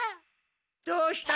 どうした？